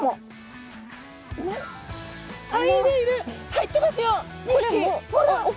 入ってますよ。